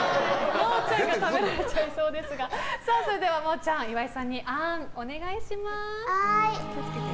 真央ちゃんが食べられちゃいそうですがそれでは真央ちゃん岩井さんにあーんをお願いします。